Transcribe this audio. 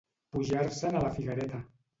Pujar-se'n a la figuereta.